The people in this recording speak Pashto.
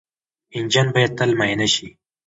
انجن باید تل معاینه شي.